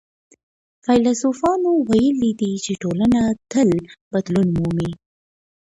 فيلسوفانو ويلي دي چي ټولنه تل بدلون مومي.